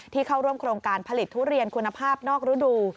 เข้าร่วมโครงการผลิตทุเรียนคุณภาพนอกฤดู